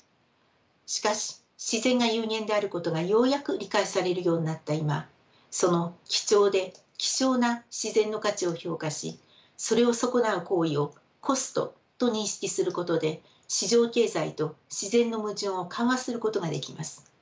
しかし自然が有限であることがようやく理解されるようになった今その貴重で希少な自然の価値を評価しそれを損なう行為をコストと認識することで市場経済と自然の矛盾を緩和することができます。